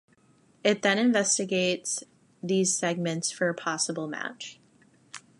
It then investigates these segments for a possible match.